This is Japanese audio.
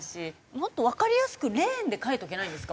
もっとわかりやすくレーンで書いておけないんですか？